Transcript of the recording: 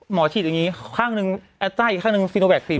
หมอฉีดอย่างนี้ข้างนึงอัตไจอีกข้างนึงฟีโนแบคครีม